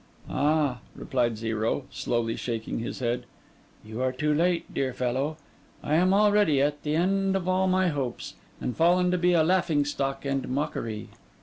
'Ah!' replied Zero, slowly shaking his head. 'You are too late, dear fellow! I am already at the end of all my hopes, and fallen to be a laughing stock and mockery.